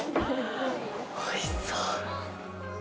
おいしそう！